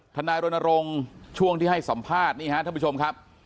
ทนายรณรงค์ช่วงที่ให้สัมภาษณ์นี่ฮะท่านผู้ชมครับ